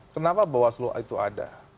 kenapa bawaslu itu ada